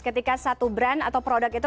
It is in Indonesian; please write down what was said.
ketika satu brand atau produk itu